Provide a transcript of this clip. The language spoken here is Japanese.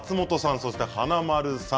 そして、華丸さん